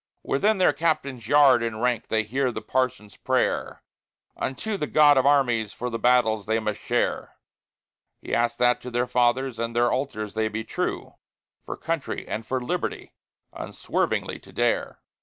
Within their Captain's yard enranked they hear the Parson's prayer Unto the God of armies for the battles they must share; He asks that to their Fathers and their Altars they be true, For Country and for Liberty unswervingly to dare.